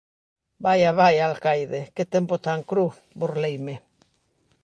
Vaia, vaia, alcaide, que tempo tan cru −burleime−.